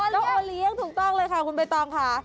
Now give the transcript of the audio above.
แล้วโอเลี้ยงถูกต้องเลยค่ะคุณใบตองค่ะ